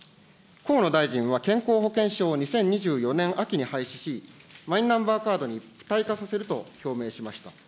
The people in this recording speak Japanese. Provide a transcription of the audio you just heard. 河野大臣は、健康保険証を２０２４年秋に廃止し、マイナンバーカードに一体化させると表明しました。